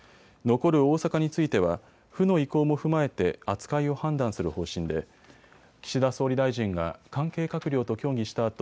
残る大阪については府の意向も踏まえて扱いを判断する方針で岸田総理大臣が関係閣僚と協議した